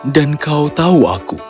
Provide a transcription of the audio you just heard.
dan kau tahu aku